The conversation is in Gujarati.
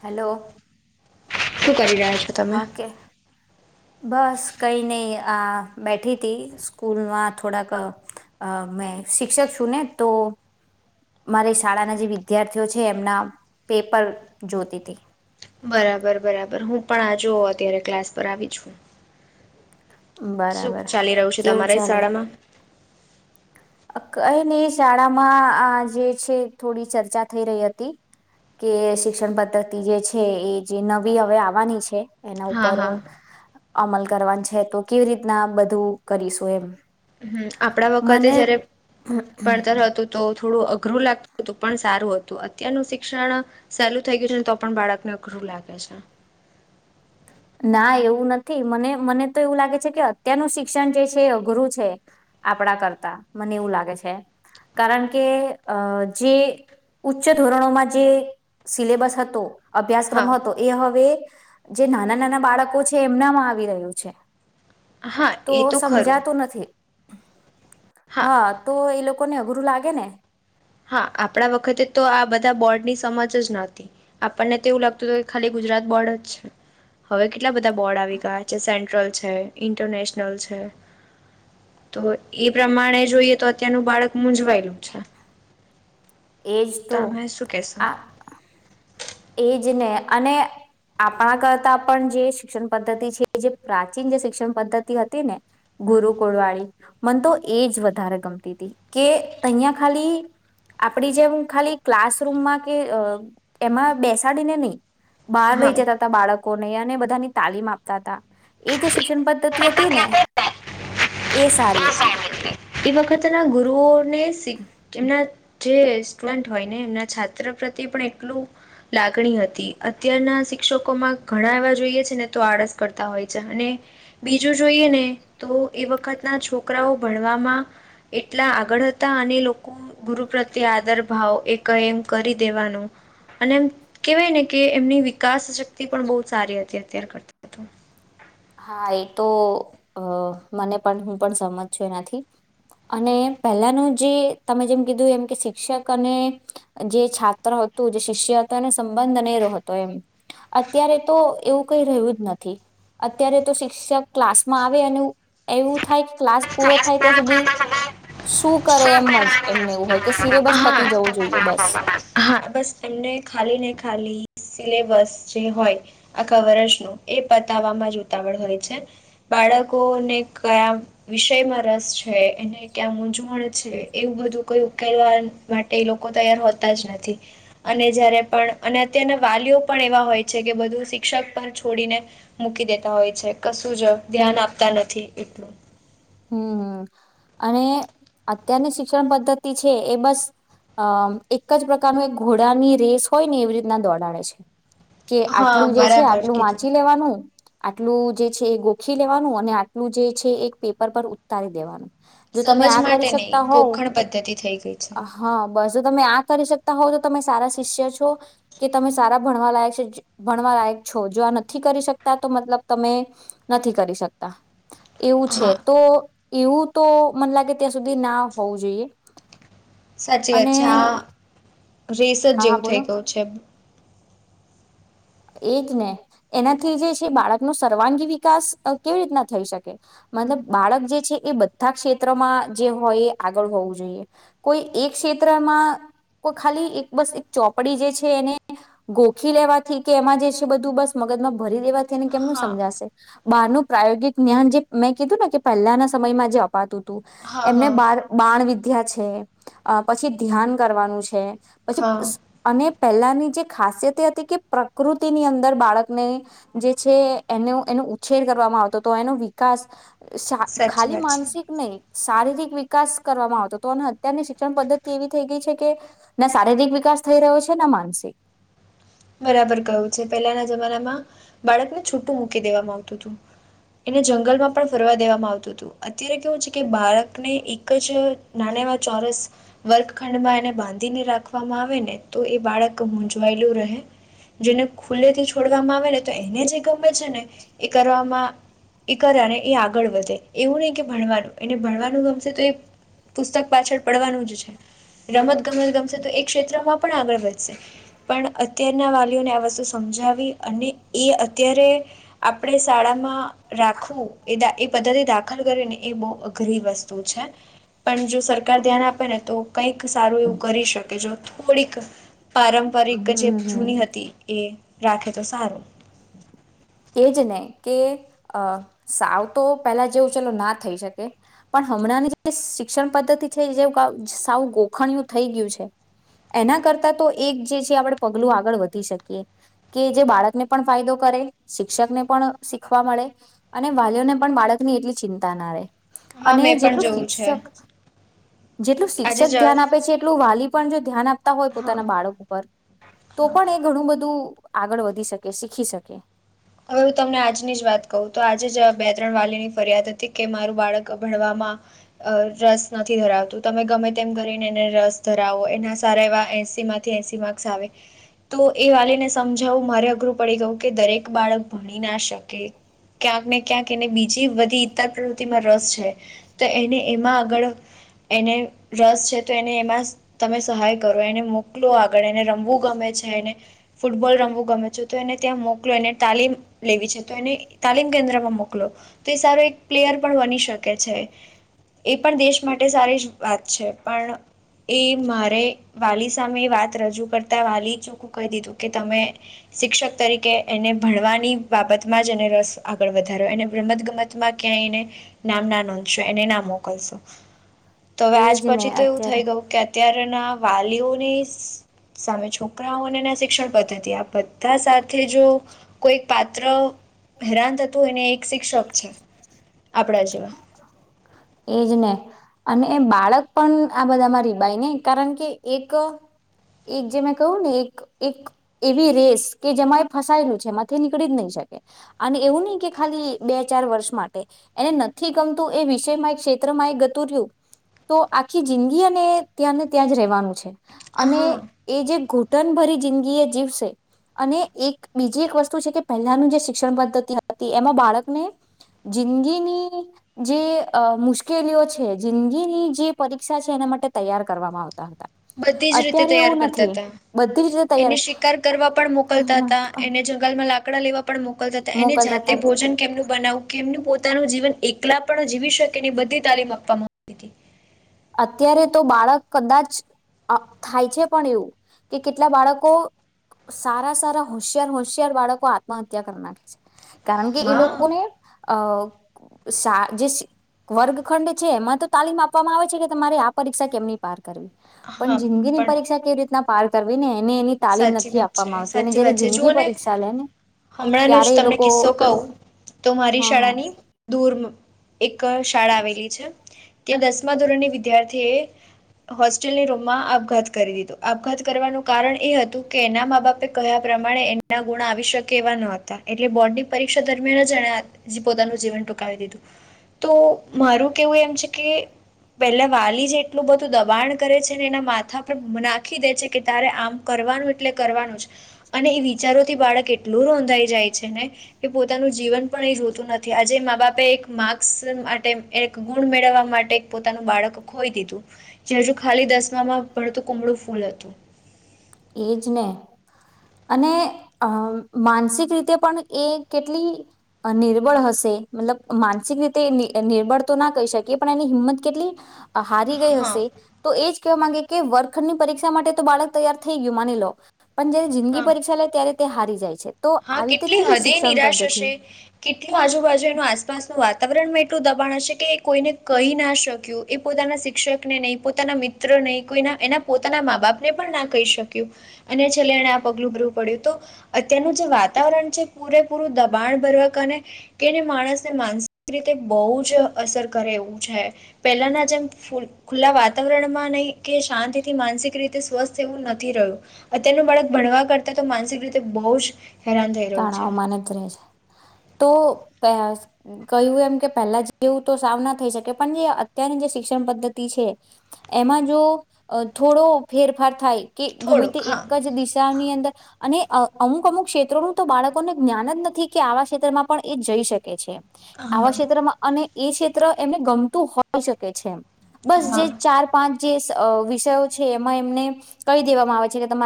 હેલો. શું કરી રહ્યા છો તમે? હા કે બસ કઈ નઈ આ બેઠી તી. સ્કૂલમાં થોડાક અ મેં અ શિક્ષક છું ને તો મારી શાળાના જે વિદ્યાર્થીઓ છે એમના પેપર જોતી તી. બરાબર બરાબર. હું પણ આ જો અત્યારે ક્લાસ પર આવી છું. શું બરાબર ચાલી રહ્યું છે કેવું તમારે ચાલે શાળામાં? અ, કઈ નઈ શાળામાં આ જે છે થોડી ચર્ચા થઈ રહી હતી કે શિક્ષણ પદ્ધતિ જે છે એ જે નવી હવે આવવાની છે એના હા ઉપર અ. હા અમલ કરવાન છે તો કેવી રીતના બધું કરીશું એમ. હમ. આપણા વખતે જયારે અમ્મ. ભણતર હતું તો અમ્મ. થોડું અઘરું લાગતું હતું પણ સારું હતું અત્યારનું શિક્ષણ સહેલું થઈ ગયું છે ને તો પણ બાળકને અઘરું લાગે છે. ના એવું નથી મને મને તો એવું લાગે છે કે અત્યારનું શિક્ષણ જે છે અઘરું છે આપડા કરતા. મને એવું લાગે છે. કારણ કે અ જે ઉચ્ચ ધોરણોમાં જે સિલેબસ હતો અભ્યાસક્રમ હા હતો એ હવે જે નાના નાના બાળકો છે એમનામાં આવી રહ્યું છે. હા તો એ ખરું સમજાતું નથી. હા, તો એ લો કોઈને અઘરું લાગે ને હા, આપણા વખતે તો આ બધા બોર્ડની સમજ જ ન હતી. આપણને તે એવું લાગ તોય ખાલી ગુજરાત બોર્ડ જ છે. હવે કે એટલા બધા બોર્ડ આવી ગયા છે. સેન્ટ્રલ છે, ઇન્ટરનેશનલ છે તો એ પ્રમાણે જોઈએ તો અત્યારનું બાળક મૂઝવાયેલું છે. એજ તો તમે શું કહેશો આ એ જ ને અને આપણા કરતા પણ જે શિક્ષણ પદ્ધતિ છે જે પ્રાચીન જે શિક્ષણ પદ્ધતિ હતી ને ગુરુકુળવાળી મને તો એ જ વધારે ગમતી હતી કે અહીંયા ખાલી આપડી જેમ ખાલી ક્લાસરૂમમાં કે અ એમાં બેસાડીને નહી બહાર હા લહી જતા હતા બાળક કોને આને બધાને તાલીમ આપતા હતા એ જે શિક્ષણ પદ્ધતિ હતી ને એ સારી હતી. એ વખતના ગુરુઓને તે તેમના જે સ્ટુડન્ટ હોય ને એમના છાત્ર પ્રત્યે પણ એટલું લાગણી હતી અત્યારના શિક્ષકોમાં ઘણા એવા જોઈએ છે ને તો આળસ કરતા હોય છે અને બીજું જોઈએ ને તો એ વખત ના છોકરાઓ ભણ વામાં એટલા આગળ હતા અને લોકો ગુરુ પ્રત્યે આદર ભાવ એક એમ કરી દેવાનો અને એમ કેહેવાય ને કે એમની વિકાસ શક્તિ પણ બહુ સારી હતી અતાર કરતા તો હા એ તો અ મને પણ હું પણ સમજ છું એનાથી અને પહેલાનું જે તમે જેમ કીધું એમ કે શિક્ષક અને જે છાત્ર હતું જે શિષ્ય હતો એનો સંબંધ અનેરો હતો એમ અત્યારે તો એવું કઈ રહ્યું જ નથી અત્યારે તો શિક્ષક ક્લાસમાં આવે અને એવું એવું થાય ક્લાસ પૂરો થાય ત્યાં સુધી શું કરે એમ જ એમને એવું હોય કે હા. સિલેબસ પતી હા જવું જોઈએ બસ હા બસ એમને ખાલી ને ખાલી સિલેબસ જે હોય આખા વર્ષનું એ પતાવવામાં જ ઉતાવળ હોય છે બાળકોને કયા વિષયમાં રસ છે એને ક્યા મૂઝવણ છે એવું બધું કોઈ ઉકેલવા માટે એ લોકો તૈયાર હોતા જ નથી અને જયારે પણ અને અત્યારના વાલીઓ પણ એવા હોય છે કે બધું શિક્ષક પર છોડીને મૂકી દેતા હોય છે કશું જ ધ્યાન આપ તા નથી હમ અને અત્યારની શિક્ષણ પદ્ધતિ છે એ બસ અ એક જ પ્રકારનું એક ઘોડાની રેસ હોય ને એવી રીતના દોડા વે છે. કે હા આટલું જે છે બરાબર આટલું કીધું વાંચી લેવાનું આટલું જે છે એ ગોખી લેવાનું અને આ ટલું જે છે એક પેપર પર ઉતારી દેવાનું જો તમે સમજ આ કરી માટે શકતા નહીં હોવ ગોખણ પદ્ધતિ થઈ ગઈ છે હા બસ જો તમે આ કરી શકતા હોવ તો તમે સારા શિષ્ય છો કે તમે સારા ભણવા લાયક છે ભણવા લાયક છો જો આ નથી કરી શકતા તો મતલબ તમે નથી કરી શકતા એવું છે હા તો એવું તો મને લાગે ત્યાં સુધી ના હોવું જોઈએ સાચી વાત અને છે આ રેસ જ હા હા જેવું બોલો થઈ ગયું છે. એજ ને એનાથી જે છે બાળકનો સર્વાંગી વિકાસ કેવી રીતના થઈ શકે મતલબ બાળક જે છે એ બધા ક્ષેત્રમાં જે હોય એ આગળ હોવું જોઈએ કોઈ એક ક્ષેત્રમાં કો ખાલી એક બસ એક ચોપડી જે છે એને ગોખી લેવા થી કે એમાં જે છે બધું બસ મગજમાં ભરી દેવા ને કેમનું હા સમજાશે બારનું પ્રાયોગિક જ્ઞાન જે મેં કીધું ને કે પહેલાના સમયમાં જે અપાતું હતું હા એમને હા બાણ બાણ વિધ્યા ધ્યા છે પછી ધ્યાન કરવાનું છે. પછી હા સ અને પહેલાની જે ખાસિયત એ હતી કે પ્રકૃતિની અંદર બાળકને જે છે એનો એનો ઉછેર કરવામાં આવતો હતો એનો વિકાસ શા સાચી ખાલી વાત છે માનસિક નહી. શારીરિક વિકાસ કરવામાં આવતો તો અને અત્યારની શિક્ષણ પદ્ધતિ એવી થઈ ગઈ છે કે, ના શારીરિક વિકાસ થઈ રહ્યો છે ના માનસિક. બરાબર કયું છે પહેલાના જમાનામાં, બાળકને છૂટું મૂકી દેવામાં આવતું હતું, એને જંગલમાં પણ ફરવા દેવામાં આવતું હતું, અત્યારે કેવું છે કે બાળકને એક જ નાના એવા ચોરસ, વર્ગખંડમાં એને બાંધીને રાખવામાં આવે ને તો એ બાળક મૂઝવાયેલું રહે. જેને ખુલ્લે થી છોડવામાં આવે ને તો એને જે ગમે છે ને, એ કરવામાં એ કર્યા ને એ આગળ વધે, એવું નહી કે ભણવાનું એને ભણવાનું ગમશે તો એ પુસ્તક પાછળ પડવાનું જ છે, રમત ગમત ગમશે તો એ ક્ષેત્રમાં પણ આગળ વધે. સે પણ અત્યારે વાલીઓને આ વસ્તુ સમજાવી અને એ અત્યારે, આપણે શાળામાં રાખવું એ એ પદ્ધતિ દાખલ કરી ને એ બહુ અઘરી વસ્તુ છે, પણ જો સરકાર ધ્યાન આપે ને તો કંઈક સારું એવું કરી શકે જો થોડીક હમ પારંપરિક જે જૂની હમ હતી એ. રાખે તો સારું. એ જ ને કે સાવ તો પેલા જેવું ચલો ના થઈ શકે, પણ હમણાંની જે શિક્ષણ પદ્ધતિ છે જે સાવ ગોખણયું થઈ ગયું છે, એના કરતાં તો એક જે છે આપણે પગલું આગળ વધી શકીએ, કે જે બાળકને પણ ફાયદો કરે. શિક્ષકને પણ શીખવા મળે, અને વાલીઓને પણ બાળકની એટલી ચિંતા ના રહે. હા અને મેં પણ જેટલું જોવું છે શિક્ષક, જેટલું આજે શિક્ષક જ ધ્યાન આપે છે એટલું વાલી પણ જો ધ્યાન આપ હોય હા પોતાના બાળક ઉપર, તો હા પણ એ ઘણું બધું આગળ વધી શકે શીખી શકે. હવે હું તમને આજની જ વાત કહું તો આજે જ બે ત્રણ વાલી ની ફરિયાદ હતી કે મારું બાળક ભણવામાં, રસ નથી ધરાવતું તમે ગમે તેમ કરીને એને રસ ધરાવો એના સારા એવા એસી માંથી એસી માર્ક્સ આવે, તો એ વાલીને સમજાવું મારે અઘરું પડી ગયું કે દરેક બાળક ભણી ના શકે, ક્યાંક ને ક્યાંક એને બીજ જી બધી ઈતર પ્રવૃતિ માં રસ છે. તો એને એમાં આગળ, એને રસ છે એને એમાં તમે સહાય કરો એને મોકલો આગળ એને રમવું ગમે છે એને, ફૂટબોલ રમવું ગમે છે તો એને ત્યાં મોકલો એને તાલીમ લેવી છે તો એને તાલીમ કેન્દ્રમાં મોકલો, તો એ સારો એક પ્લેયર પણ બની શકે છે, એ પણ દેશ માટે સારી જ વાત છે પણ એ મારે વાલી સામે વાત રજૂ કરતા વાલી ચોખ્ખું કહી દીધું કે તમે, શિક્ષક તરીકે એ ભણવાની બાબતમાં જ એને રસ આગળ વધાર્યો, એને રમત ગમતમાં ક્યાંય એને નામ ના નોંધશો એને ના મોકલશો, તો હવે આજ એજ ને પછી તો એવું થઈ અત્યારે ગયું કે અત્યારે ના વાલીઓને સામે છોકરાઓ અને ના શિક્ષણ પદ્ધતિ આ બધા સાથે જો. કોઈ પાત્ર હેરાન થતું એને એક શિક્ષક છે, આપણા જેવા. એજ ને, અને બાળક પણ આ બધામાં રિબાય ને કારણ કે, એક એક જે મેં કહ્યું ને એક એક એવી રેસ કે જેમાં એ ફસાયેલું છે એમાંથી નીકળી જ નહી શકે, અને એવું નહ કે ખાલી બે ચાર વર્ષ માટે, એને નથી ગમતું એ વિષયમાં ક્ષેત્રમાં ગતું રહ્યું, તો આખી જિંદગી અને ત્યાંને ત્યાં જ રહેવાનું છે. અને હા એ જે ગો ટન ભરી જિંદગી એ જીવશે અને એક બીજી એક વસ્તુ છે કે પહેલાનું જે શિક્ષણ પદ્ધતિ હતી એમાં બાળકને જિંદગીની જે. અ મુશ્કેલીઓ છે જિંદગીની જે પરીક્ષા છે એના માટે તૈયાર કરવામાં આવતા હતા. બધી જ રીતે અત્યારે તૈયાર એવું કરતા નથી હતા બધી જ રીતે તૈયાર એને શિકાર કરવા પણ મોકલતા હતા એને જંગલમાં લાગ. કડા લવા. પણ મોકલતા હતા એને મોકલતા જાતે હતા ભોજન કેમનું બનાવું કેમનું પોતાનું જીવન એકલા પણ જીવી શકે એ બધી તાલીમ આપવાવામાં. સટી. અત્યારે તો બાળક કદાચ થાય છે પણ એવું કે કેટલા બાળકો સારા સારા હોશિયાર હોશિયાર બાળકો આત્મહત્યા કરી નાખે છે. કારણ કે એ હા લોકોને. અ જે વર્ગખંડ છે એમાં તો તાલીમ આપવામાં આવે છે કે તમારી આ પરીક્ષા કેમની પાર. પણ હા જિંદગીની પણ પરીક્ષા કેવી રીતના. પાર કરવી ને એ. સાચી વાત છે સાચી વાત છે જિંદગી જોને પરીક્ષા લે ને હમણાંનો જ ત્યારે એ તમને લોકો કિસ્સો કવ તો મારી હા હા શાળાની દૂર. એક શાળા આવેલી છે ત્યાં દસમા ધોરણની વિદ્યાર્થી એ હોસ્ટેલની રૂમમાં આપઘાત કરી દીધો આપઘાત કરવાનું કારણ. એ હતું કે એના મા બાપે કહ્યા પ્રમાણે એના ગુણ આવી શકે એવા ન હતા એટલે બોર્ડની પરીક્ષા દરમિયાન જ એને જે પોતાનું જીવન ટૂંકાવી દીધું તો મારું કેવું એમ છે કે પેલા વાલી જે એટલું બધું દબાણ કરે છે અનેને એના માથા પર નાખી દે છે કે તારે આમ. કરવાનું એટલે કરવાનું જ અને એ વિચારોથી બાળક એટલું રોંધાઈ જાય છે ને કે પોતાનું જીવન પણ એ જોતું નથી આજે મા બાપે એક માર્ક્સ માટે એક ગુણ મેળવવા માટે. પોતાનું બાળક ખોઈ દીધું. જે હજુ ખાલી દસમામાં ભડતું કુમળું ફૂલ હતું. એજ ને અને અ માનસિક રીતે પણ એ કેટલી નિર્બળ હશે મતલબ માનસિક રીતે નિર્બળ તો ના કહી શકીએ પણ એની હિંમત કેટલી. હારી ગઈ હા હશે તો એજ. વા માંગે કે વર્ખંડની પરીક્ષા માટે તો બાળક તૈયાર. થ યુમાિ લો. પણ જયારે જિંદગી હા પરીક્ષા લે ત્યારે. તે હારી જાય છે. તો હા આવી રીતે કેટલી કેવી હદે શિક્ષણ નિરાશ પદ્ધતિ હશે કેટલી આજુબાજુ એનું આસપાસનું વાતાવરણ મે. એટલું દબાણ હશે કે કોઈને કહી ના શક્યું એ પોતાના શિક્ષકને નહીં પોતાના મિત્ર નહી કોઈના એના પોતાના મા બાપને પણ ના કહી શક્યું અને છેલ્લે એને આ પગલું ભરવું પડ્યું તો અત્યારનું. વાતાવરણ છે પૂરેપૂરું દબાણ ભરવા કાર કેને માણસને માનસિક રીતે બહુ જ અસર કરે એવું છે પહેલાના જેમ ખુલ્લા વાતાવરણમાં નહી કે શાંતિ થી માનસિક રીતે સ્વસ્થ એવું નથી રહ્યું અત્યનું બાળક ભણવા કરતા તો માનસિક રીતે બહુ જ હેરાન થઈ રહ્યું છે. તણાવમાં જ રહે છે તો કહ્યું એમ કે પહેલા જેવું તો સાવ ના થઈ શકે પણ જે અત્યારની જે શિક્ષણ પદ્ધતિ છે એમાં જો થોડો ફેરફાર થાય. કે ગમે થોડુંક તે હા એક જ દિશાની અંદર. અને અમુક અમુક ક્ષેત્રોનું. તો બાળકોને જ્ઞાન જ નથી કે આવા ક્ષેત્રમાં પણ એ જઈ શકે. આવા હા ક્ષેત્રમાં અને. એ ક્ષેત્ર એમને ગમતું હોય શકે છે એમ. બસ જે હા ચાર પાંચ. જે ષ અ વિષયો છે એમાં એમને કહી દેવામાં આવે છે કે તમાર